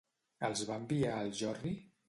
Els va enviar al Jordi?